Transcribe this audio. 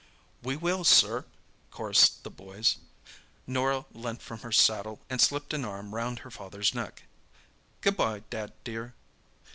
"We will, sir," chorused the boys. Norah leant from her saddle and slipped an arm round her father's neck. "Good bye, Dad, dear."